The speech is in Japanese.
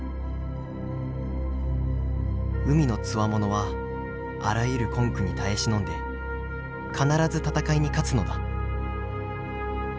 海のつわものはあらゆる困苦に堪え忍んで必ず戦いに勝つのだ」。